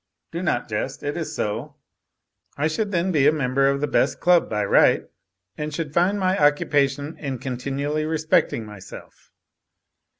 Do not jest, it is so. I should then be a member of the best club by right, and should find my occupation in continually respecting myself.